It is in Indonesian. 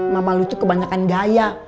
mama lu itu kebanyakan gaya